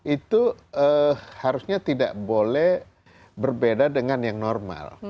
itu harusnya tidak boleh berbeda dengan yang normal